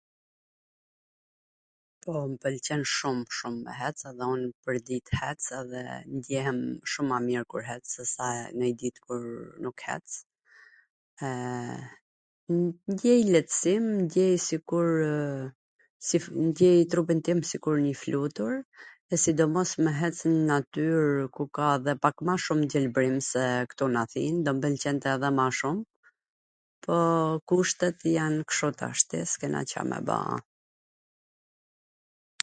Po, m pwlqen shum shum me hec edhe un pwrdit hec edhe ndjehem shum ma mir kur hec sesa nonj dit kur nuk hec, eee ndjej letsim, ndjej sikurw sikur ... un ndjej nw trupin tim sikur njw flutur dhe sidomos me ec n natyr ku ka edhe ma shum gjelbrim se ktu n Athin, do m pwlqente dhe ma shum, po kushtet jan kshtu tashti, s kena Ca me ba...